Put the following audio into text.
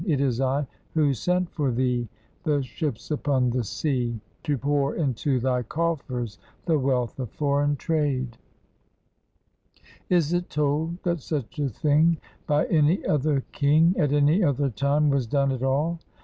It is I who sent for thee, The ships upon the sea, To pour into thy coffers the wealth of foreign trade; Is it told that such a thing By any other king, At any other time, was done at all?